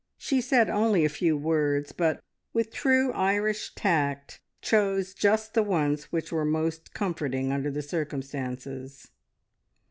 She said only a few words, but with true Irish tact chose just the ones which were most comforting under the circumstances.